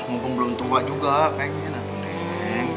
mumpung belum tua juga pengen aku neng